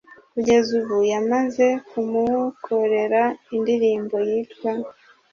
Kugeza ubu yamaze kumukorera indirimbo yitwa